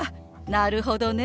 なるほどね。